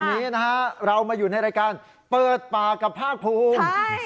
วันนี้นะฮะเรามาอยู่ในรายการเปิดปากกับภาคภูมิ